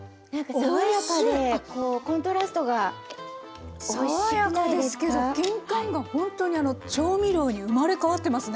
爽やかですけどきんかんがほんとに調味料に生まれ変わってますね。